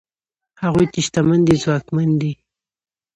هغوی چې شتمن دي ځواکمن دي؛